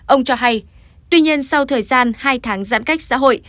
ông cho hay tuy nhiên sau thời gian hai tháng giãn cách xã hội